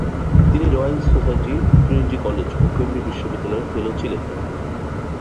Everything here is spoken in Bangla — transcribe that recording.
তিনি রয়েল সোসাইটি, ট্রিনিটি কলেজ ও কেমব্রিজ বিশ্ববিদ্যালয়ের ফেলো ছিলেন।